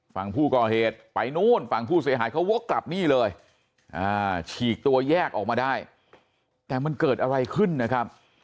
ฝั่งผู้ก่อเหตุไปนู่นฝั่งผู้เสียหายเขาวกกลับนี่เลยฉีกตัวแยกออกมาได้แต่มันเกิดอะไรขึ้นนะครับ